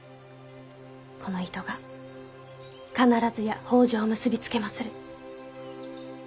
この糸が必ずや北条を結び付けまする。